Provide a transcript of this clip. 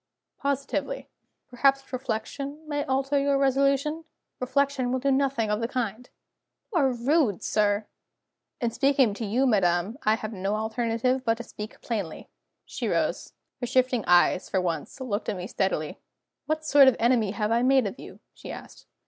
"Positively." "Perhaps reflection may alter your resolution?" "Reflection will do nothing of the kind." "You are rude, sir!" "In speaking to you, madam, I have no alternative but to speak plainly." She rose. Her shifting eyes, for once, looked at me steadily. "What sort of enemy have I made of you?" she asked.